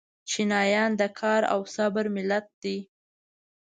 چینایان د کار او صبر ملت دی.